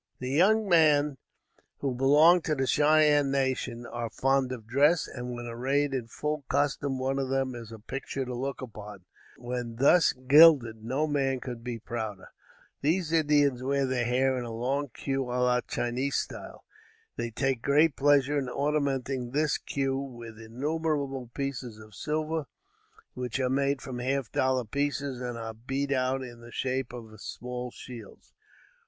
The young men who belong to the Cheyenne nation, are fond of dress, and when arrayed in full costume one of them is a picture to look upon; when thus gilded no man could be prouder. These Indians wear their hair in a long cue à la Chinese style. They take great pleasure in ornamenting this cue with innumerable pieces of silver, which are made from half dollar pieces, and are beat out in the shape of small shields.